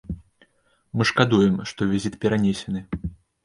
Мы шкадуем, што візіт перанесены.